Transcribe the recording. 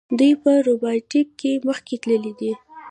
دوی په روباټیک کې مخکې تللي دي.